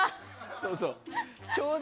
そうそう。